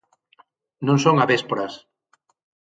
Non son avésporas.